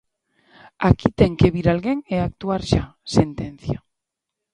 "Aquí ten que vir alguén e actuar xa", sentencia.